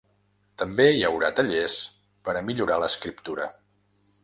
També hi haurà tallers per a millorar l’escriptura.